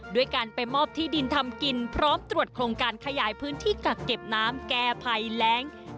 ด้วยการไปมอบที่ดินทำกินพร้อมตรวจโครงการขยายพื้นที่กักเก็บน้ำแก้ภัยแรง